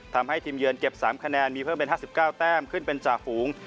ทำให้ทีมเยือนเก็บ๓คะแนนมีเพิ่มเป็น๕๙แต้มขึ้นเป็นจ่าฝูง